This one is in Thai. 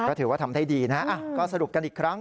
ก็ถือว่าทำได้ดีนะก็สรุปกันอีกครั้ง